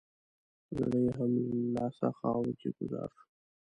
زړه یې هم له لاسه خاورو کې ګوزار شو.